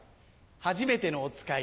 『はじめてのおつかい』